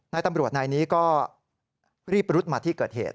นายตำรวจนายนี้ก็รีบรุดมาที่เกิดเหตุ